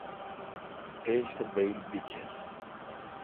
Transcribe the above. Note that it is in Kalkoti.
ایج تہ بییل بیکھر۔